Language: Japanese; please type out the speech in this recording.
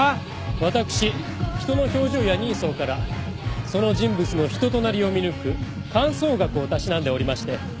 私人の表情や人相からその人物の人となりを見抜く観相学をたしなんでおりまして。